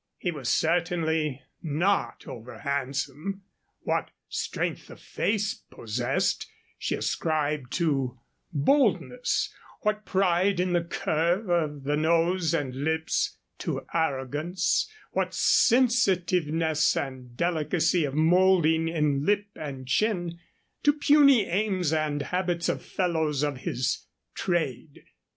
He was certainly not over handsome. What strength the face possessed she ascribed to boldness; what pride in the curve of the nose and lips to arrogance; what sensitiveness and delicacy of molding in lip and chin to puny aims and habits of fellows of his trade.